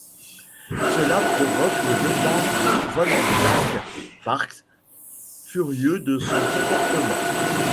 Cela provoque le départ de Van Dyke Parks, furieux de son comportement.